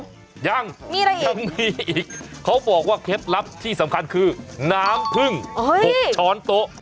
ยังมีอะไรยังมีอีกเขาบอกว่าเคล็ดลับที่สำคัญคือน้ำพึ่ง๖ช้อนโต๊ะ